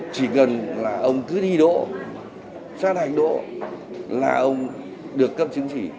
chỉ cần là ông cứ thi đỗ sát hành đỗ là ông được cấp chứng chỉ